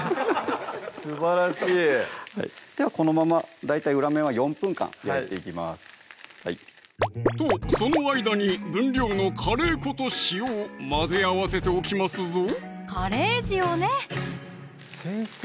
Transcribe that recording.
すばらしいではこのまま大体裏面は４分間焼いていきますとその間に分量のカレー粉と塩を混ぜ合わせておきますぞカレー塩ね先生